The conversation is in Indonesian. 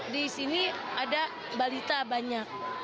di sini ada balita banyak